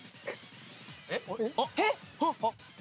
えっ⁉